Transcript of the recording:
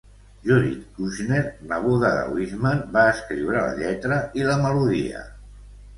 Judith Kushner, neboda de Wishman, va escriure la lletra i la melodia.